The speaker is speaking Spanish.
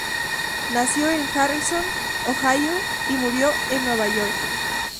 Nació en Harrison, Ohio y murió en Nueva York.